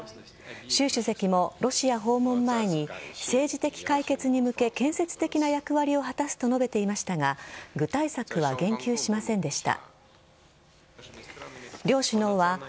習主席もロシア訪問前に政治的解決に向け建設的な役割を果たすと述べていましたが具体策は言及しませんでした。